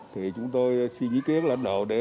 thì chúng tôi suy nghĩ kiến lãnh đạo